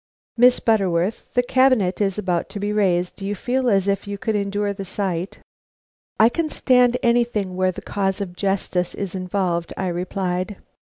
Miss Butterworth, the cabinet is about to be raised; do you feel as if you could endure the sight?" "I can stand anything where the cause of justice is involved," I replied.